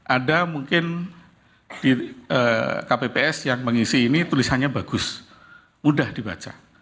ada mungkin di kpps yang mengisi ini tulisannya bagus mudah dibaca